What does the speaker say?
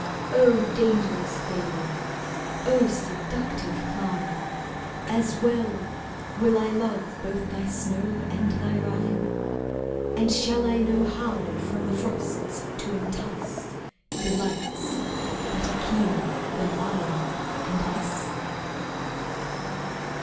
O! dangerous dame oh seductive clime! As well, will I love both thy snow and thy rime, And shall I know how from the frosts to entice Delights that are keener than iron and ice?